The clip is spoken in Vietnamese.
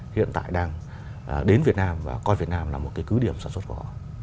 hiện tại đang đến việt nam và coi việt nam là một cái cứ điểm sản xuất của họ